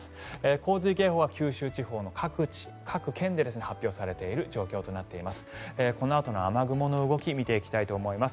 洪水警報は九州地方の各地各県で発表されている状況となっています。